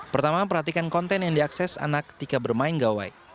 pertama perhatikan konten yang diakses anak ketika bermain gawai